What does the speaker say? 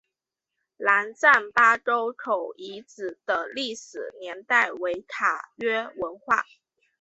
兰占巴沟口遗址的历史年代为卡约文化。